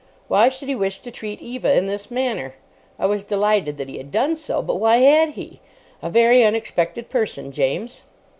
Why should he wish to treat Eva in this manner? I was delighted that he had done so, but why had he? A very unexpected person, James.